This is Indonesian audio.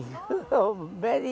selama berapa tahun